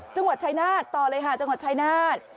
จังหวัดชายนาฏต่อเลยค่ะจังหวัดชายนาฏ